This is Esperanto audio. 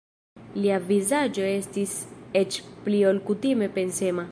Lia vizaĝo estis eĉ pli ol kutime pensema.